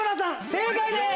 正解です！